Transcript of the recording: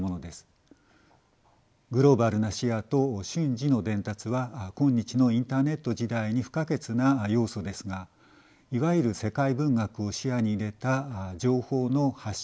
グローバルな視野と瞬時の伝達は今日のインターネット時代に不可欠な要素ですがいわゆる世界文学を視野に入れた情報の発信と共有の積極的な試みでした。